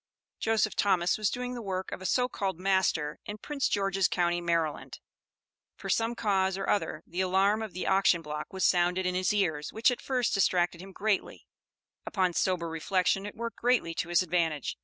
Joseph Thomas was doing the work of a so called master in Prince George's county, Maryland. For some cause or other the alarm of the auction block was sounded in his ears, which at first distracted him greatly; upon sober reflection it worked greatly to his advantage.